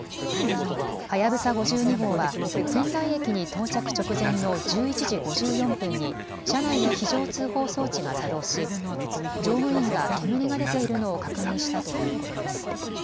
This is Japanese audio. はやぶさ５２号は仙台駅に到着直前の１１時５４分に車内の非常通報装置が作動し乗務員が煙が出ているのを確認したということです。